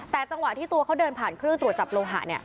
แต่จังหวะที่ตัวเขาเดินผ่านเครื่องตรวจจับโลหะ